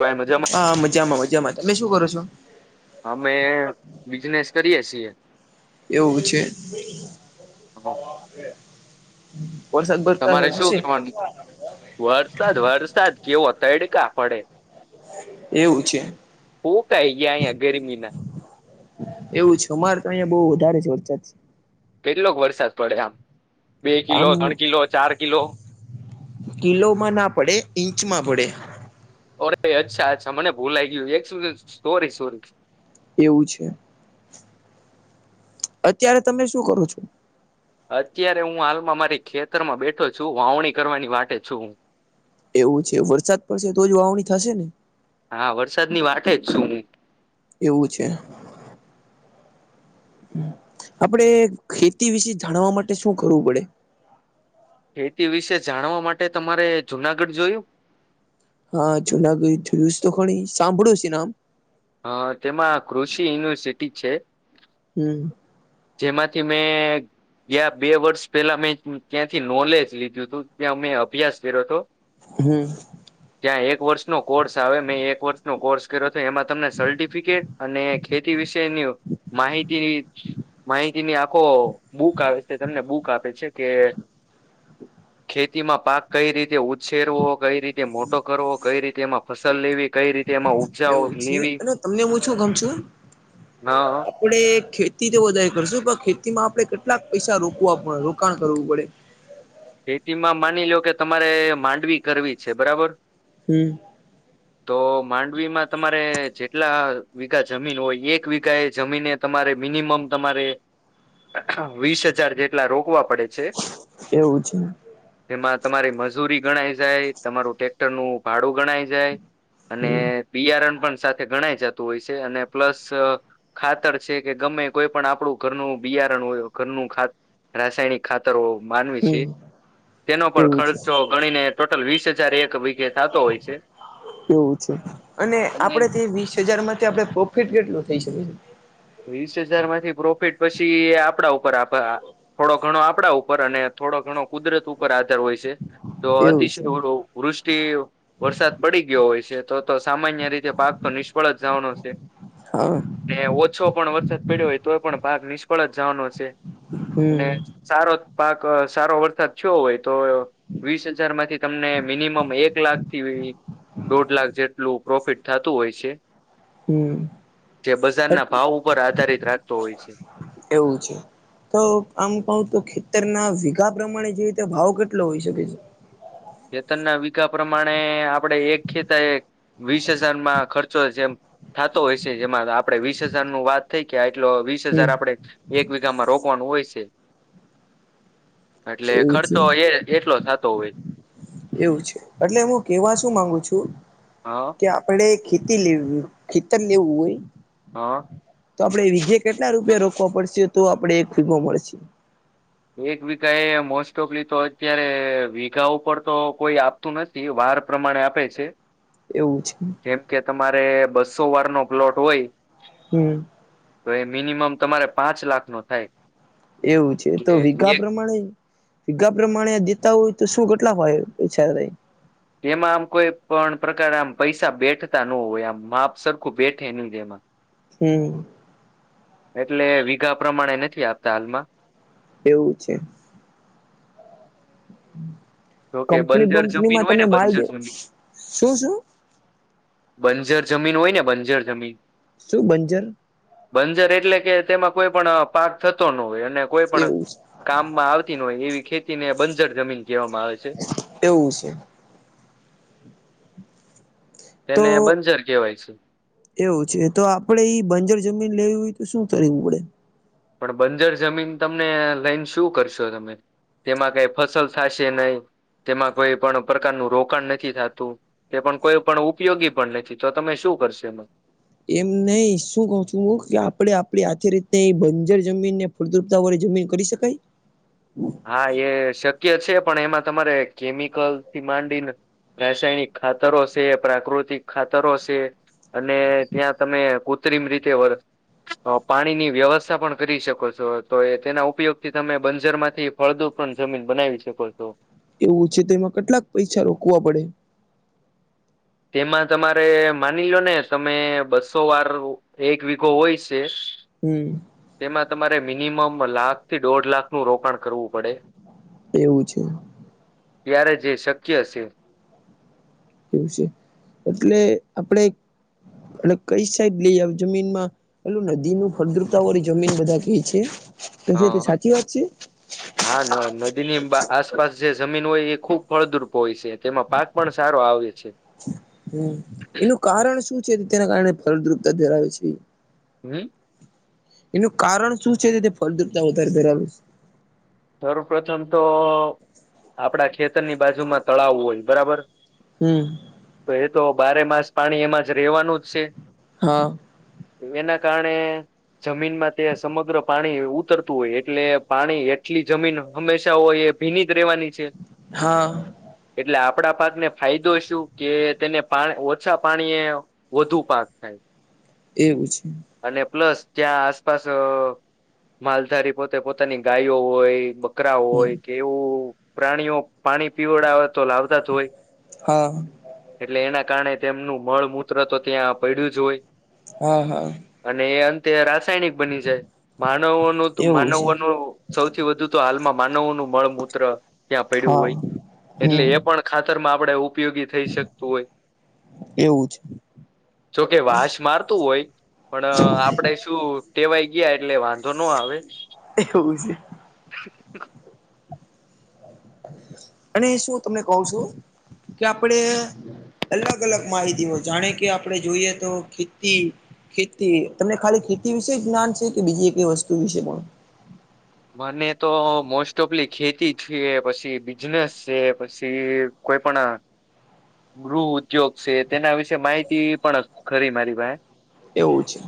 ભાઈ મજામાં હા મજામાં મજામાં તમે શું કરો છો? અમે બિઝનેસ કરીએ છીએ એવું છે વરસાદ ભરતાશે તમારે શું શશે કરવાનું વરસાદ વરસાદ કેવો તડકા પડે. એવું છે ફૂકાઈ ગયા અહીંયા ગરમીના એવું છે અમારે તો અહીંયા બહુ વધારે છે વરસાદ કેટલોક વરસાદ પડે આમ બે કિલો આમ ત્રણ કિલો ચાર કિલો. કિલોમાં ના પડે ઈંચ માં પડે અરે અચ્છા અચ્છા મને ભૂલાય ગયું એક સોરી સોરી એવું છે. અત્યારે તમે શું કરો છો? અત્યારે હું હાલમાં મારી ખેતરમાં બેઠો છું વાવણી કરવાની વાટે છું હું. એવું છે, વરસાદ પડશે તો જ વાવણી થશે ને. હા વરસાદ ની વાટે જ છું હું. એવું છે. આપડે ખેતી વિશે જાણવા માટે શું કરવું પડે? ખેતી વિશે જાણવા માટે તમારે જુનાગઢ જોયું. હા ચુના [unintelligible] ખણી સાંભળ્યું છે નામ. હ તેમાં કૃષિ યુનિવર્સિટી છે. હમ્મ. જેમાંથી મેં ત્યાં બે વર્ષ પેલા મેં ત્યાંથી નોલેજ લીધું હતું ત્યાં અમે અભ્યાસ કર્યોતો. હમ્મ. ત્યાં એક વર્ષ નો કોર્સ આવે મેં એક વર્ષ નો કોર્સ એમાં તમને સર્ટિફિકેટ અને ખેતી વિષયની માહિતી [unintelligible] આખો બુક આવે છે, તમને બુક આપે છે કે ખેતીમાં પાક કઈ રીતે ઉછેરવો કઈ રીતે મોટો કરવો કઈ રીતે એમાં ફસલ લેવી કઈ રી તેમાં ઉપજાઓ એવું છે લેવી અને તમને હું ન આપડે ખેતી તો વધારે કરશું પણ ખેતીમાં આપડે કેટલાક પૈસા રોકવા રોકાણ કરવું પડે. ખેતીમાં માની લો કે તમારે માંડવી કરવી છે બરાબર. હમ્મ. [inaudible] તો માંડવીમાં તમારે જેટલા વીઘા જમીન હોય એક વીઘા એ જમીન એ તમારે મિનિમમ તમારે વીસ હજાર જેટલા રોકવા પડે છે. એવું છે. તેમાં તમારી મજૂરી ગણાય જાય, તમારું ટટેક્ટર નું ભાડું ગણાય જાય. અને હમ બિયારણ પણ સાથે ગણાય જતું હોય છે અને પ્લસ અ ખાતર છે કે ગમે કોઈ પણ આપણું ઘરનું બિયારણ હોય ઘરનું ખાત રાસાયણિક ખાતરો માનવી છે, હમ તેનો પણ એવું છે ખર્ચો ગણીને ટોટલ વીસ હજાર એક વી એવું છે, અને આપડે તે વીસ હજાર માંથી આપે પો ફિટ કેટલું થઈ શકે? વીસ હજાર માંથી પ્રોફિટ પછી આપડા ઉપર આભા થોડો ઘણો આપડા ઉપર અને થોડો ઘણો કુદરત ઉપર પર આધાર હોય છે તો એવું અતિશ છે વૃષ્ટિ વરસાદ પડી ગયો હોય છે તો તો સામાન્ય રીતે પાક તો નિષ્ફળ જ જવાનો છે હા ને ઓ ઓછો પણ વરસાદ પડ્યો હોય તો પણ પાક નિષ્ફળ જ જવાનો છે અને હમ સારો પાક સારો વરસાદ થયો હોય તો વીસ હજારમાંથી તમને મિનિમમ એક લાખ થી દોઢ લાખ જેટલું પ્રોફિટ થાતું હોય છે. હમ જે બજારના ભાવ ઉપર આધારિત રાખતો હોય છે. એવું છે. તો આમ કઉ તો ખેતરના વીગા પ્રમાણે જઈએ તો ભાવ કેટલો હોઈ શકે છે. ખેતર ના વીઘા પ્રમાણે આપડે એક ખેતા વીસ હજારમાં ખર્ચો જેમ થાતો હોય છે જેમાં આપડે વીસ હજાર નું વાત થઈ કે આયટલો વીસ હમ હજાર આપણે એક વિઘામાં રોકવાનું હોય છે. એટલે એવું છે ખર્ચો એ એટલો થતો હોય. એવું છે એટલે હું કેવા શું માંગુ છું હ અ. કે આપણે ખેતી લે ખેતર લેવું હોય. હા. તો આપડે વિજે કેટલા રૂપિયા રોકવા પડશે તો આપડે એક ભેગો મળશે. એક વીઘા એ મોસ્ટ ઓફલી તો અત્યારે વીઘા ઉપર તો કોઈ. આપતુ નથી વાર પ્રમાણે આપે છે. એવું છે. જેમ કે તમારે બસો વાર નો પ્લોટ હોય. હમ. તો એ મિનિમમ તમારે પાંચ લાખ નો થાય. એવું છે તો એટલે વિગા એક પ્રમાણે. ભીગા પ્રમાણે દેતા હોય તો શું કેટલા [unintelligible] ઓછા થાય એમાં આમ કોઈ પણ પ્રકાર આમ પૈસા બેઠતા ન હોય આમ માપ સરખું બેઠે નહી જ એમ. હ. હમ. એટલે વીઘા પ્રમાણે નથી આપતા હાલમાં. એવું છે. જોકે કંપની બંજર જમીન બંપનીમાં હોય ને તમે માલ બંજર દેવ જમીન શું શું? બંજર જમીન હોય ને બંજર જમીન. શું બંજર. બંજર એટલે કે તેમાં કોઈ પણ પાક થતો ન હોય અને કોઈ પણ. એવું છે કામમાં આવતી ન હોય એવી ખેતી ને બંજર જમીન કહેવામાં આવે છે. એવું છે. તો તેને બંજર કહેવાય છે. એવું છે તો આપડે ઈ બંજર જમીન લેવી હોય તો શું કરવું પડે? પણ બંજર જમીન તમને લઈને શું કરશો તમે. તેમાં કઈ ફસલ થશે નહી તેમાં કઈ પણ પ્રકારનું રોકાણ નથી થતું. તે પણ કોઈ પણ ઉપયોગી પણ નથી તો તમે શું કરશો એમા? એમ નહી શું કઉ છું હું કે આપડે આપડી આથી રીતના એ બંજર જમીનને. ફળદ્રપતા વડે જમીન કરી શકાય. હા એ શક્ય છે પણ એમાં તમારે કેમિકલ થી માંડીને. રાસાયણિક ખાતરો છે પ્રાકૃતિક ખાતરો છે. અને ત્યાં તમે કૃત્રિમ રીતે વર પાણીની વ્યવસ્થા પણ કરી શકો છો તો એ તેના ઉપયોગ થી તમે બંજરમાં. થી ફળદો ઉપ જમીન બનાવી શકો છો. એવું છે તો એમાં કેટલાક પૈસા રોકવા પડે? તેમાં તમારે માની લો ને તમે બસો વાર એક વીઘો હોય છે. હમ. તેમાં તમારે મિનિમમ લાખ થી દોઢ લાખનું રોકાણ કરવું પડે. એવું છે. ત્યારે જ એ શક્ય છે. એવું છે એટલે આપડે કઈ સાઈડ લઈ જમીનમાં. હેલું નદી નું ફળદ્રુતા વાળી જમીન બધા ક છે તો હ તે સાચી વાત છે. હા ના નદી ની આસપાસ જે જમીન હોય એ ખુબ ફળદ્રુપ હોય છે તેમાં પાક પણ સારો આવે છે. હમ એનું કારણ શું છે તેના કારણે ફળદ્રુપતા ધરાવે છે. હમ. એનું કારણ શું છે તે ફળદ્રપતા વધારે ધરાવે છે. સર્વપ્રથમ તો આપડા ખેતરની બાજુમાં તળાવ હોય બરાબર. હમ. તો એ તો બારે માસ પાણી એમાં જ રહેેવાનું જ છે. હા એના કારણે જમીનમાં તે સમગ્ર પાણી ઉતરતું હોય એટલે પાણી એ ટલી જમીન હંમેશા હોય એ ભીની જ રહેેવાની છે હા એટલે આપડા પાકને ફાયદો શું કે તેને પા ઓછા પાણીએ વધુ પાક થાય એવું છે અને પ્લસ ત્યાં આસપાસ માલધારી પોતે પોતાની ગાય હોય બકરા હમ હોય કે એવું પ્રાણીઓ પાણી પીવડા હોય તો લાવતા તો હોય હા એટલે એના કારણે તેમનું મળ મૂત્ર તો ત્યાં પડ્યું જ હોય હા હા અને એ અંતે રાસાયણિક બની છે માનવોનું એવું છે માનવોનું સૌથી વધુ તો હાલમાં માનવો નું મળ મૂત્ર ત્યાં પડ્યું હા હોય એટલે હમ એ પણ ખાતર માં આપણેે ઉપયોગી થઈ શકતું હોય એવું છે જોકે વાસ મારતું હોય પણ આપડે શું ટેવાય ગયા એટલે વાં ધો નો આવે આવે એ એવું છે શ છે અને શું તમને કવ છું કે આપડે અલગ અલગ માહિતીઓ જાણે કે આપડે જોઈએ તો ખેતી ખેતી તમને ખાલી ખેતી વિશે જ્ઞાન છે કે બીજી એકઈ વસ્તુ વિશે પણ મને તો મોસ્ટ ઓફલી ખેતી છે પછી બિઝનેસ છે પછી કોઈ પણ ગૃહ ઉદ્યોગ છે તેના વિશે માહિતી પણ ખરી મારી ભાઈ એવું છે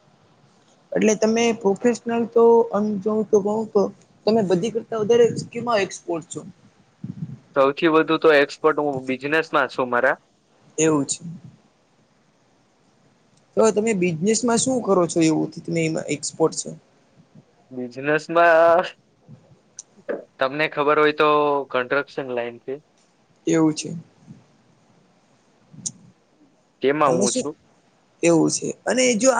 [inaudible] એટલે તમે પ્રોફેશનલ તોમ જો તો તો તમે બધી કરતા વધારે એક્સપોર્ટ છો સૌથી વધુ તો એક્સપર્ટ હું બિઝનેસ માં છું મારા એવું છે તો તમે બિઝનેસમાં શું કરો છો એવુંથી તમેમાં એક્સપોર્ટ છે બિઝનેસ માં તમને ખબર હોય તો કન્સ્ટ્રક્શન લાઈન કે એવું છે તેમાં તમે હું શું? છું એવું છે અને જો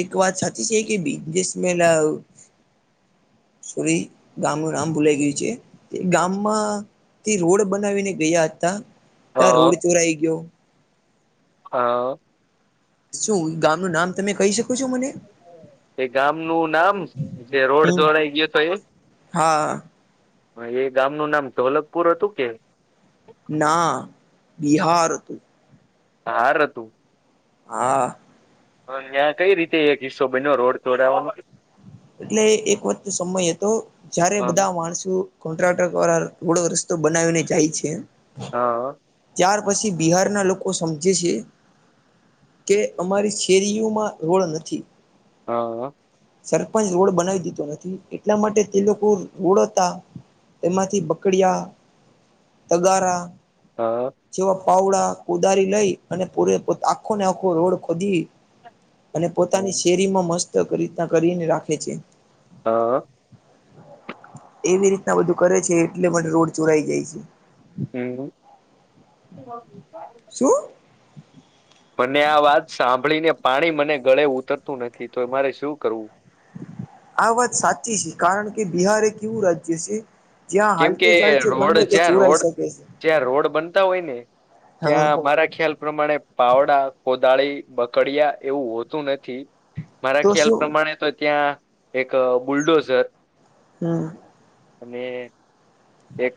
એક વાત સાચી છે કે બિઝનેસમેન [unintelligible] સોરી ગામનું નામ ભૂલાઈ ગયું છે ગામમાં તે રોડ બનાવીને ગયા હતા ત અ આ રોડ ચોરાઈ ગયો હા શું ગામનું નામ તમે કહી શકો છો મને એ ગામ નું નામ જે રોડ હમ જોડાઈ ગયું હતું એ હા હ એ ગામનું નામ ધોલકપુર હતું કે ના બિહાર હતું બાર હતું હા ત્યાં કઈ રીતે એક હિસ્સો બન્યો રોડ તોડવાવામાં એટલે એક વખત સમય હતો જયારે હા બધા માણસો કોન્ટ્રાક્ટર દ્વારા રોડો રસ્તો બનાવીને જાય છે હા. ત્યાર પછી બિહારના લોકો સમજે છે કે અમારી શેરીઓમાં રોળ નથી. હા. સરપંચ રોડ બનાવી દીધો નથી એટલા માટે તે લોકો રોડ હતા એમાંથી, બકડિયા, તગારા હા જેવા પાવડા, કોદારી લઈ અને પૂરે આખો ને આખો રોડ ખોદી અને પોતાની શેરીમાં મસ્ત રીતના કરીને રાખે છે. અ - એવી રીતના બધું કરે છે એટલે મન રોડ ચોરાઈ જાય છે. હમ્મ શું? મને આ વાત સાંભળી ને પાણી મને ગળે ઉતરતું નથી તો મારે શું કરવું? આ વાત સાચી છે કારણ કે બિહાર એ કેવું રાજ્ય છે જ્યાં કેમ કે હાલતે ચાલતે રોડ, ગમે તે જ્યાં ચોરાઈ રોડ, શકે છે જ્યાં રોડ બનતા હોય ને હા ત્યાં મારા ખ્યાલ પ્રમાણે પાવડા કોદાળી બકડીયા એવું હોતું નથી. મારા તો ખ્યાલ શું પ્રમાણે તો ત્યાં એક બુલડોઝર હમ્મ અને એક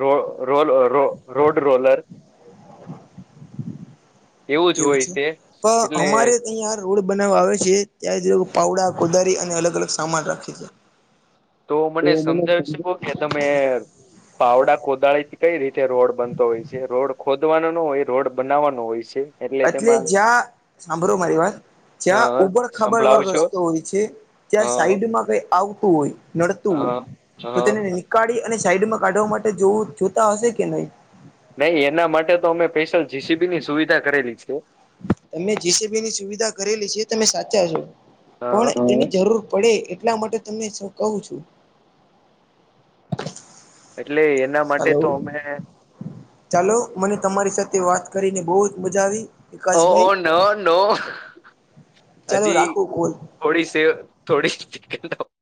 રો- રોલ- રો- રો- રોડ રોલર એવું જ હોય છે પણ એટલે અમારે અહીંયા રોડ બનાવવા આવે છે ત્યારે તે લોકો પાવડા, કોદારી અને અલગ અલગ સામાન રાખે છે. તો મને સમજાવી શકો કે ત [unintelligible] પાવડા કોદાળી થી કઈ રીતે રોડ બનતો હોય છે રોડ ખોદવાનો નો હોય રોડ બનાવવાનો હોય છે. એટલે જ્યાં સાંભળો મારી વાત હ જ્યાં ઉબડ ખાબડ વાળો સંભળાવશો રસ્તો હોય છે હ ત્યાં સાઈડમાં કઈ આવતું હોય નડતું, હ તો હ તેને નીકાળી અને સાઈડમાં કાઢવા માટે જોવું જોતા હશે કે નહી? નહી, એના માટે તો અમે સ્પેશિયલ જી. સી. બીની સુવિધા કરેલી છે. તમે જે. સે. બી ની સુવિધા કરેલી છે તમે સાચા છો, હા પણ એને જરૂર પડે એટલા માટે તમને સુ કહું છુ. એટલે એના માટે હલો, તો અમે ચાલો મને તમારી સાથે વાત કરીને બહ જ મજા આવી. ઓ, વિકાસભાઈ હો, ન, નો, ચાલો હજી રાખું કોલ થોડી સ થોડી [unintelligible]